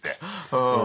うん。